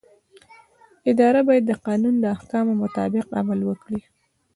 اداره باید د قانون د احکامو مطابق عمل وکړي.